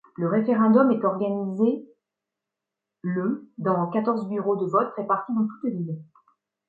Le référendum est organisé le dans quatorze bureaux de votes répartis dans toute l'île.